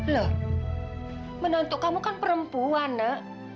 lo menantu kamu kan perempuan nek